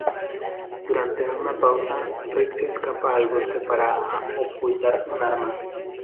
Durante una pausa, Rick se escapa al bosque para ocultar un arma.